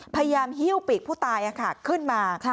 พยายามหิ้วปีกผู้ตายขึ้นมา